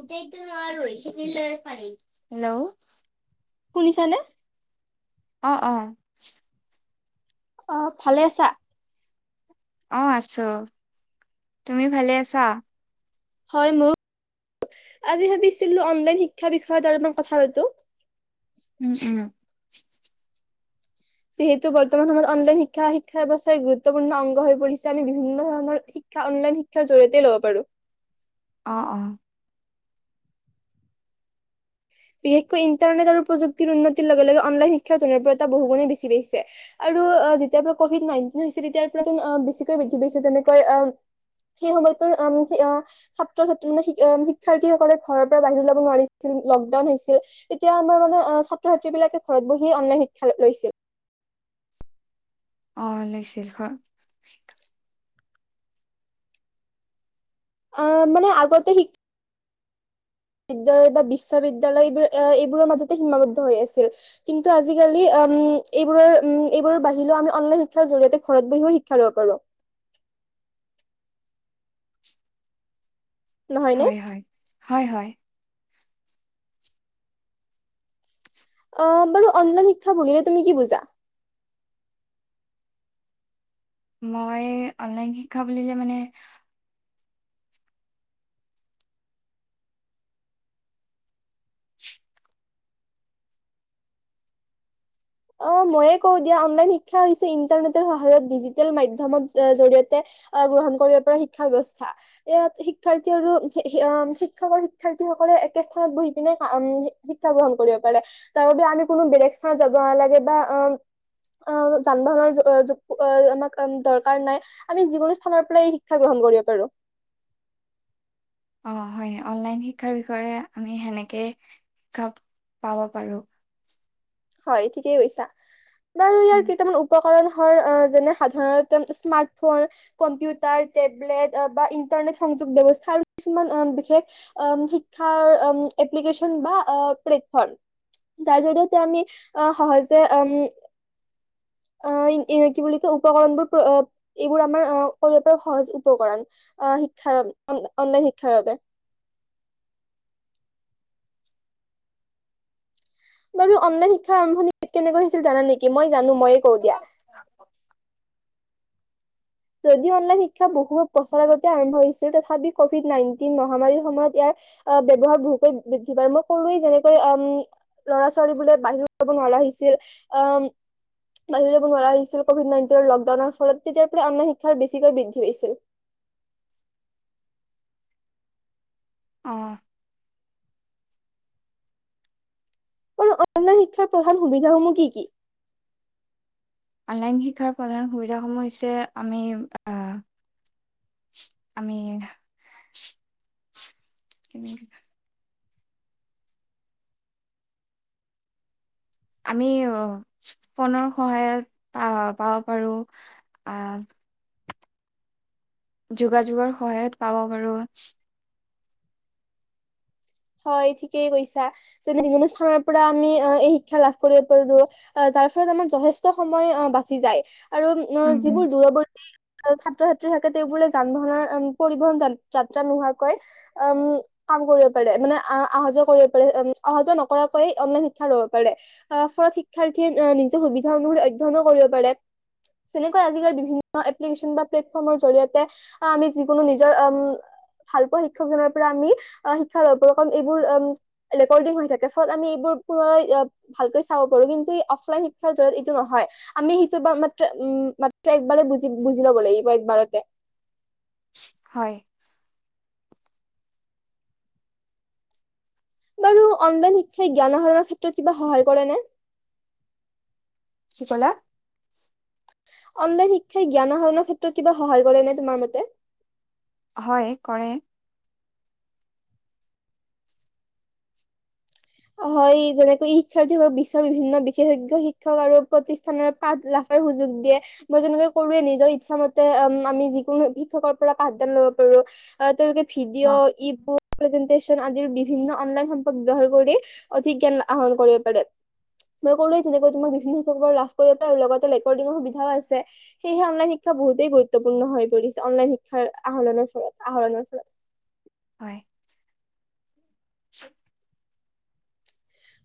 গোটেইতো নোৱাৰোখ পাৰ হেল্ল' শুনিছানে অ অ অ ভালে আছা? অ আছো, তুমি ভালে আছা? হয় মোক আজি ভাবিছিল অনলাইন শিক্ষা বিষয়ত অলপ মান কথা পাতোঁ। উম, উম। [inaudible] যিহেতু বৰ্তমান সময়ত অনলাইন শিক্ষা। শিক্ষা ব্যৱস্থাই গুৰুত্বপূৰ্ণ অংগ হৈ পৰিছে। আমি বিভিন্ন ধৰণৰ শিক্ষা অনলাইন শিক্ষাৰ জৰিয়তেই লব পাৰো। অ অ। বিশেষকৈ ইন্টাৰনেট আৰু প্ৰযুক্তিৰ উন্নতিৰ লগে লগে অনলাইন শিক্ষাৰ জনপ্ৰিয়তা বহুগুণেই বেছি পাইছে। আৰু যেতিয়াৰ পৰা কভিড নাইনটিন হৈছে। তেতিয়াৰ পৰা বেছিকৈ বৃদ্ধি পাইছে। যেনেকৈ অ সেই সময়টো অ ছাত্ৰ ছাত্ৰী মানে শিক্ষাৰ্থীসকলে ঘৰৰ পৰা বাহিৰ ওলাব নোৱাৰিছিল।। উ হৈছিল তেতিয়া আমাৰ মানে অ ছাত্ৰ ছাত্ৰী বিলাকে ঘৰত বহিয়ে অনলাইন শিক্ষা লৈছিল। অ লৈছিল হয়। অ মানে আগতে শিক।। বিদ্যালয় বা বিশ্ববিদ্যালয় এইবোৰ এইবোৰৰ মাজতে সীমাবদ্ধ হৈ আছিল। কিন্তু আজিকালি উম এইবোৰৰ উম এইবোৰৰ বাহিও আমি অনলাইন শিক্ষাৰ জৰি়য়তে, ঘৰত বহিও শিক্ষা লব পাৰোঁ। নহয়নে হয় হয়। হয় হয়। অহ বাৰু অনলাইন শিক্ষা বুলিলে তুমি কি বুজা? মই অনলাইন শিক্ষা বুলিলে মানে।। অ মইয়ে কওঁ দিয়া। অনলাইন শিক্ষা হৈছে ইন্টাৰনেটৰ সহায়ত ডিজিটেল মাধ্যমত জৰিয়তে গ্ৰহণ কৰিব পাৰা শিক্ষা ব্যৱস্থা। ইয়াত শিক্ষাৰ্থী আৰু শিক্ষ বা শিক্ষাৰ্থীসকলে একে স্থানত বহি কানে শিক্ষা গ্ৰহণ কৰিব পাৰে। তাৰ বাবে আমি কোনো বেলেগ স্থানত।। যাব নালাগে বা অ অ যান বাহনৰ আমাক দৰকাৰ নাই। আমি যিকোনো স্থানৰ পৰাই শিক্ষা গ্ৰহণ কৰিব পাৰো। অ হয় অনলাইন শিক্ষাৰ বিষয়ে আমি হেনেকেই শিক্ষা পাব পাৰো। হয় ঠিকেই কৈছা। বাৰু উম ইয়াৰ কেইটামান উপকৰণ।। হয়। যেনে সাধাৰণতে স্মাৰ্ট, ফোন কম্পিউটাৰ, টেবলেট বা ইন্টাৰনেট সংযোগ ব্যৱস্থা আৰু কিছুমান বিশেষ শিক্ষাৰ এপ্লিকেচন বা প্লেটফৰ্ম। যাৰ জৰিয়তে আমি।। অ সহজে উম।। অহ এ কি বুলি কয়, উপকৰণবোৰ এইবোৰ আমাৰ কৰিব পাৰা সহজ উপকৰণ অহ শিক্ষা অনলাইন শিক্ষাৰ বাবে। বাৰু অনলাইন শিক্ষাৰ আৰম্ভণিত কেনেকৈ হৈছিল জানা নেকি? মই জানো ময়ে কওঁ দিয়া। যদি অনলাইন শিক্ষা বহু বছৰ আগতে আৰম্ভ হৈছিল। তথাপি কভিড নাইনটিন মহামাৰীৰ সময়ত ইয়াৰ অ ব্যৱহাৰ বহুতেই বৃদ্ধি পায়। মই ক'লোয়ে যেনেকৈ ল'ৰা ছোৱালী বোৰে বাহিৰত যাব নোৱাৰা হৈছিল। বাহিৰত যাব নোৱাৰ হৈছিল কভিড নাইনটিনৰ লকডাউনৰ ফলত। তেতিয়া।। তেতিয়া অনলাইন শিক্ষাৰ বেছিকৈ বৃদ্ধি পাইছিল। অঁ। আৰু অনলাইন শিক্ষাৰ প্ৰধান সুবিধাসমূহ কি কি? অনলাইন শিক্ষাৰ প্ৰধান সুবিধাসমূহ হৈছে, আমি আহ আমি।। কেিন [inaudible] আমি ফোনৰ সহায়ত প পাব পাৰোঁ। আহ।। যোগাযোগৰ সহায়ত পাব পাৰোঁ।। হয় ঠিকেই কৈছা, যে যিকোনো স্থানৰ পৰা আমি এই শিক্ষা লাভ কৰিব পাৰো। যাৰ ফলত আমাৰ যথেষ্ট সময় বাচি যায়। আৰু উম ভিডিঅ' যিবোৰ দূৰৱৰ্তী।। ছাত্ৰ ছাত্ৰী থাকে তেওঁ বোলে যান বাহন পৰিবহন যাত্ৰা নোহোৱাকৈ উম কাম কৰিব।। পাৰে মানে আহা যোৱা কৰিব পাৰে মানে আহা যোৱা নকৰাকৈয় অনলাইন শিক্ষা লব পাৰে। ফলত শিক্ষাৰ্থীয়ে নিজৰ সুবিধা অনুসৰি অধ্যয়নো কৰিব পাৰে। যেনেকৈ আজিকালি বিভিন্ন এপ্লিকেশন বা প্লেটফৰ্মৰ জৰিয়তে আমি যিকোনো নিজৰ ভাল পোৱা শিক্ষকজনৰ পৰা আমি।। শিক্ষাৰ একৰকম এইবোৰ উম ৰেকৰ্ডিং হৈ থাকে। ফলত আমি এইবোৰ পুৰা ভালকৈ চাব পাৰোঁ। কিন্তু অফলাইন শিক্ষাৰ জৰি‌য়ত এইটো নহয়। আমি সেইটোৰ পৰা মাত্ৰ একবাৰতে বুজি লব লাগিব একবাৰতে।। হয়। বাৰু অনলান শিক্ষাই জ্ঞান আহৰণৰ ক্ষেত্ৰত কিবা সহায় কৰে নে? কি ক'লা? অনলাইন শিক্ষাই জ্ঞান আহৰণৰ ক্ষেত্ৰত কিবা সহায় কৰে নে? তোমাৰ মতে হয়, কৰে। হয় যেনেকৈ শিক্ষাৰ্থীসকল বিশ্বৰ বিভিন্ন বিশেষজ্ঞ শিক্ষক আৰু প্ৰতিষ্ঠানৰ পাঠ লাভাৰ সুযোগ দিয়ে। মই যেনেকে কৰোৱে নিজৰ ইচ্ছাামতে আমি যিকোনো শিক্ষকৰ পৰা পাঠদান লব পাৰোঁ। তেওঁলোকে।। ভিডিঅ অ ইবুক যেনে। ষ্টেচন আদিৰ বিভিন্ন অনলাইন সম্পদ ব্যৱহাৰ কৰি অধিক জ্ঞান আহৰণ কৰিব পাৰে মই ক'লোৱে চোন যেনেকৈ তোমাক বিভিন্ন শিক্ষকৰ লাভ কৰিব পাৰ, লগতে ৰেকৰ্ডিঙৰ সুবিধাও আছে, সেয়েহে অনলাইন শিক্ষা বহুতেই গুৰুত্বপূৰ্ণ হৈ পৰিছে অনলাইন শিক্ষাৰ আহৰণৰ ফলত, আহৰণৰ ফলত হয়।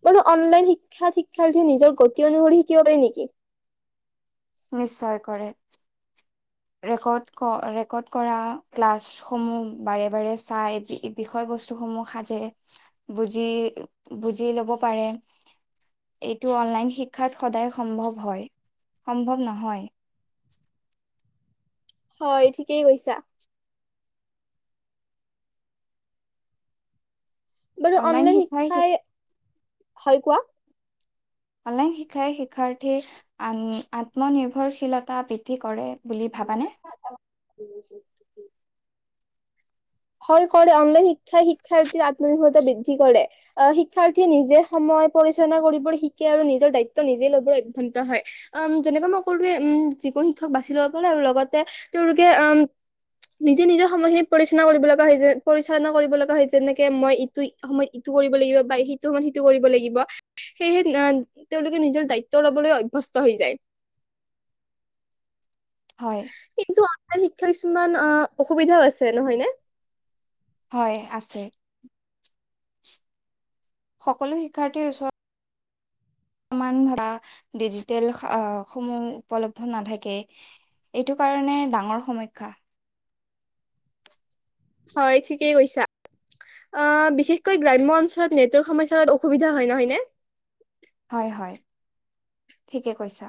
বোলো অনলাইন শিক্ষাত শিক্ষাৰ্থীয়ে নিজৰ গতি অনুসৰি শিকিব পাৰে নেকি? নিশ্চয় কৰে। [inaudible] ৰেকৰ্ড ক ৰেকৰ্ড কৰা ক্লাছসমূহ বাৰে বাৰে চাই বিষয়বস্তুসমূহ সাজে বুজি, বুজি ল'ব পাৰে এইটো অনলাইন শিক্ষাত সদায় সম্ভৱ হয়, সম্ভৱ নহয়। হয়, ঠিকেই কৈছা। বাৰু অনলাইন শিক্ষাই, হয় কোৱা। অনলাইন শিক্ষাই শিক্ষাৰ্থীৰ আন আত্মনিৰ্ভৰশীলতা বৃদ্ধি কৰে। বুলি ভাবানে? হয় কৰে, অনলাইন শিক্ ক্ষাই শিক্ষাৰ্থীৰ আত্মনিৰ্ভ বৃদ্ধি কৰে আ, শিক্ষাৰ্থীয়ে নিজে সময় পৰিচালনা কৰিব শিকে আৰু নিজৰ দায়িত্ব নিজে ল'বলৈ অভ্যন্তৰ হয় আহম, যেনেকৈ মই কলোৱে উম, যিকোনো শিক্ষক বাছি ল'ব পাৰে আৰু লগতে তেওঁলোকে উম, নিজে নিজৰ সময়খিনি পৰিচ না কৰিব লগা যায় পৰিচালনা কৰিব লগা হয় যেনেকে মই ইটো সময়ত ইটো কৰিব লাগিব বা সেইটো সময়ত সিটো কৰিব লাগিব সেয়েহে তেওঁলোকে নিজৰ দায়িত্ব ল'বলৈ অভ্যস্ত হৈ যায়। হয় কিন্তু অনলাইন শিক্ষা, কিছুমান অ', অসুবিধাও আছে নহয় নে? হয় আছে সকলো শিক্ষাৰ্থীৰ ওচৰত কিছুমান বা ডিজিটেল আ, সমূহ উপলব্ধ নাথাকে এইটো কাৰণে ডাঙৰ সমখ্যা। হয় ঠিকেই কৈছা, অ', বিশেষকৈ গ্ৰাম্য অঞ্চলত নেটৱৰ্ক সমস্যাৰ অসুবিধা হয়, নহয়নে? হয়, হয়, ঠিকে কৈছা।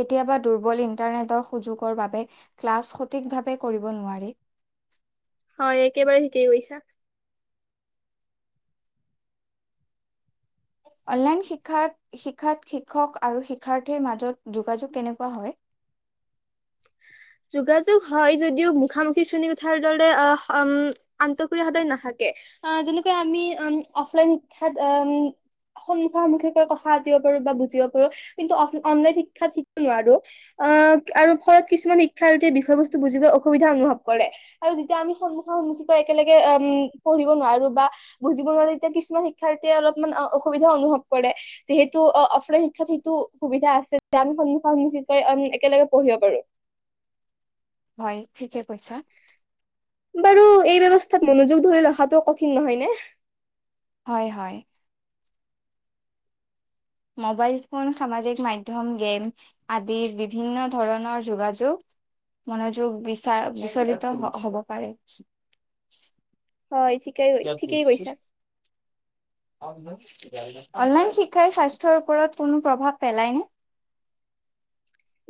কেতিয়াবা দুৰ্বল ইণ্টাৰনেটৰ সুযোগৰ বাবে ক্লাছ সঠিকভাৱে কৰিব নোৱাৰি। হয় একেবাৰে কি কৈছা? অনলাইন শিক্ষাত-শিক্ষাত শিক্ষক আৰু শিক্ষাৰ্থীৰ মাজত যোগাযোগ কেনেকুৱা হয়? যোগাযোগ হয় যদিও মুখামুখি শ্ৰেণীকোঠাৰ দৰে আ, আন্তকীয়তা সদায় নাথাকে আ, যেনেকৈ আমি উম, অফলাইন শিক্ষাত সন্মুখা সন্মুখিকৈ কথা পাতিব পাৰোঁ বা বুজিব পাৰোঁ কিন্তু অফ অনলাইন শিক্ষাত শিকো নোৱাৰোঁ আহ, আৰু ফলত কিছুমান শিক্ষাৰ্থীয়ে বিষয় বস্তু বুজিবলৈ অসুবিধা অনুভৱ কৰে আৰু যেতিয়া আমি সন্মুখা সন্মখীকৈ একেলগে অম, পঢ়িব নোৱাৰোঁ বা বুজিব নোৱাৰোঁ তেতিয়া কিছুমান শিক্ষাৰ্থীয়ে অলপমান অসুবিধাও অনুভৱ কৰে যিহেতু অফলাইন শিক্ষাত সেইটো সুবিধা আছে যে আমি সন্মুখ সন্মুখী একেলগে পঢ়িব পাৰোঁ। হয়, ঠিকে কৈছা। বাৰু, এই ব্যৱস্থাত মনোযোগ ধৰি, ৰখাটো কঠিন নহয় নে? হয়, হয়। মোবাইল ফোন সামাজিক মাধ্যম, গেম আদিৰ বিভিন্ন ধৰণৰ, যোগাযোগ, মনোযোগ, বিচ, বিচলিত হ'ব পাৰে। হয়, ঠিকেই কৈ, ঠিকেই কৈছা। অনলাইন শিক্ষাই, স্বাস্থ্যৰ ওপৰত কোনো প্ৰভাৱ পেলায়নে?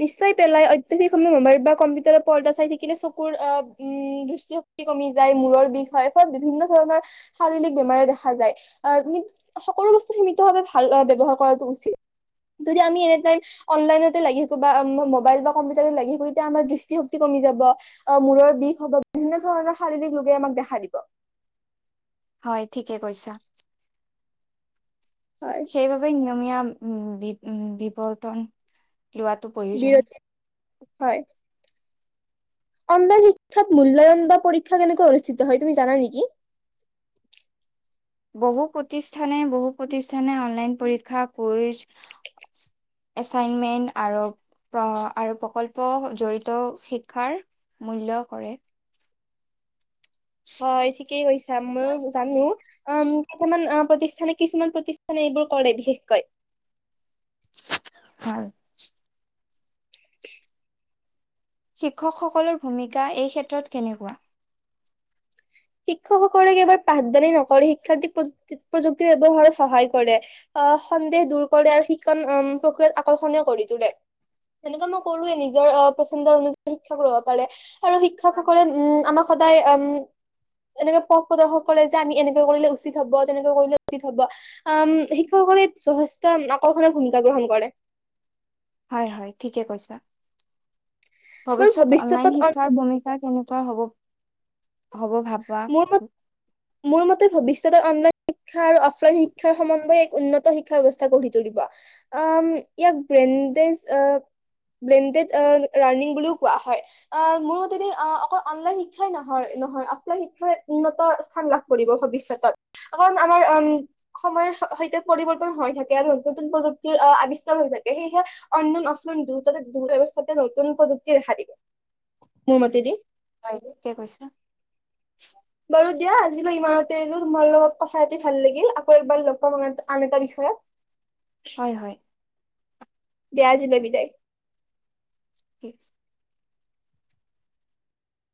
নিশ্চয় পেলাই, অতিয়োঠিক সময়, মবাইল বা কম্পিউটাৰৰ পৰ্দা চাই থাকিলে, চকুৰ আহ, উম, দৃষ্টিশক্তি কমি যায়, মূৰৰ বিষ হয়, ফলত, বিভিন্ন ধৰণৰ শাৰীৰিক বেমাৰে দেখা যায়। আহ, সকলো বস্তু সীমিতভাৱে ভাল, বব্যৱহাৰ কৰাটো উচিত যদি আমি এনে টাইম অনলাইনতে লাগি থাকো কবা, মোবাইল বা কম্পিউটাৰত লগি থাকো, তেতিয়া আমাৰ দৃষ্টিশক্তি কমি যাব, মূৰ বিষ হব, বিভিন্ন ধৰণৰ, শাৰীৰিক ৰোগে আমাক দেখা দিব। হয়, ঠিকে কৈছা। হয় সেই বাবে, নিয়মীয়া উম, বি, উম, বিৱৰ্তন লোৱাটো প্ৰয়োজন। বিৰতি হয়। অনলাইন শিক্ষাত, মূল্যায়ন বা পৰীক্ষা, কেনেকৈ অনুষ্ঠিত হয়, তুমি জানা নেকি? বহু প্ৰতিষ্ঠানে- বহু প্ৰতিষ্ঠানে অনলাইন পৰীক্ষা কুইজ এছাইনমেণ্ট আৰু আৰু প্ৰকল্প জড়িত শিক্ষাৰ মূল্য কৰে। হয় ঠিকেই কৈছা মই জানো অহ ', কেইটামান অহ ', প্ৰতিষ্ঠানে কিছুমান প্ৰতিষ্ঠানে এইবোৰ কৰে বিশেষকৈ। হয়। শিক্ষকসকলৰ ভূমিকা এই ক্ষেত্ৰত কেনেকুৱা। শিক্ষকসকলে কেবাৰ পাঠদানি নকৰে শিক্ষাৰ্থক প্ৰুক্ত প্ৰযুক্তি ব্ৱহাৰত সহায় কৰে অহ ', সন্দেহ দূৰ কৰে আৰু শিক্ষণ প্ৰক্ৰিয়াত আকৰ্ষণীয় কৰি তোলে তেনেকুৱা মই কৰোৱে নিজৰ আহ পচন্দ অনুযায়ী শিক্ষা লব পাৰে। আৰু শিক্ষকসকলে উম', আমাৰ সদায় উম ', এনেকে পথ প্ৰদৰ্শক কৰে যে আমি এনেকে কৰিলে উচিত হব তেনেকৈ কৰিলে উচিত হব আহম', শিক্ষকসকলে যথেষ্ট আকৰ্ষণীয় ভূমিকা গ্ৰহণ কৰে। হয় - হয় ঠিকে কৈছা। বাৰু ভৱিষ্যত ভৱিষ্যতত অনলাইন শিক্ষাৰ ভূমিকা কেনেকুৱা হব। হ'ব ভাবা। মোৰ মত মোৰ মতে ভৱিষ্যত অন্য শিক্ষা আৰু অফলাইন শিক্ষাৰ সম্বন্ধে। উন্নত শিক্ষা ব্যয়ৱস্থা গঢ়ি তুলিব আঁহ ', ইয়াক ব্ৰেডজ অহ ', ব্ৰেডেদ অহ ', শিক্ষা বুলিও কোৱা হয় আহ', মোৰ মতে অহ ', অকল অনলাইন শিক্ষাই নয় নহয়। শিক্ষাই উন্নত স্থান লাভ কৰিব ভৱিষ্যয়তত কাৰণ আমাৰ উম ', সময়ৰ সৈতে পৰিৱৰ্তন হৈ থাকে আৰু নতুন- নতুন প্ৰযুক্তিৰ আহ', আৱিস্কাৰ হৈ থাকে সেয়েহে অনন্ন অশ্ন দু তাতে দু ব্যৱস্থাতে নতুন প্ৰযুক্তি দেখা দিবে মোৰ মতেদি। হয় ঠিকে কৈছা। বাৰু দিয়া আজিলৈ ইমানতেনে তোমাৰ লগত কথা পাতি ভাল লাগিল আকৌ এবাৰ লগ পাম আ -আন এটা বিষয়ত। হয়- হয় দেয়া আজিলৈ বিদায়। ঠিক আছে